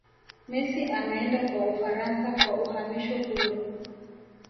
messi ameenda kwa ufaransa kwa uhamisho huru